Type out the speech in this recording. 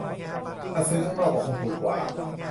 ถ้าซื้อข้างนอกก็คงถูกกว่า